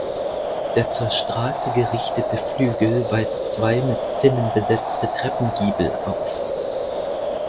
Der zur Straße gerichtete Flügel weist zwei mit Zinnen besetzte Treppengiebel auf.